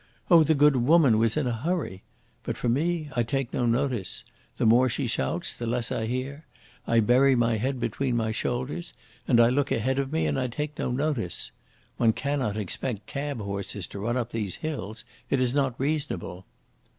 Oh, the good woman was in a hurry! But for me I take no notice. The more she shouts, the less I hear; I bury my head between my shoulders, and I look ahead of me and I take no notice. One cannot expect cab horses to run up these hills; it is not reasonable."